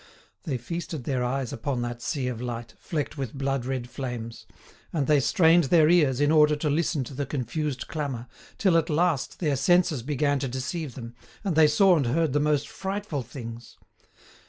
They feasted their eyes upon that sea of light, flecked with blood red flames; and they strained their ears in order to listen to the confused clamour, till at last their senses began to deceive them, and they saw and heard the most frightful things.